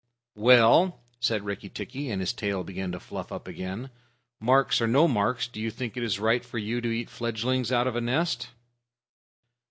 "Well," said Rikki tikki, and his tail began to fluff up again, "marks or no marks, do you think it is right for you to eat fledglings out of a nest?"